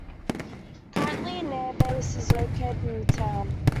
Currently, an airbase is located in the town.